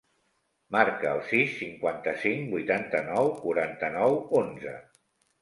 Marca el sis, cinquanta-cinc, vuitanta-nou, quaranta-nou, onze.